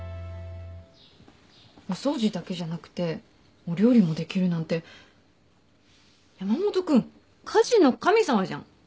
お掃除だけじゃなくてお料理もできるなんて山本君家事の神様じゃん。